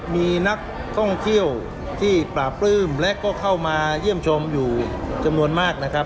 มีนักท่องเที่ยวที่ปราบปลื้มและก็เข้ามาเยี่ยมชมอยู่จำนวนมากนะครับ